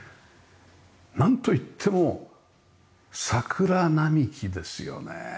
なんといっても桜並木ですよね。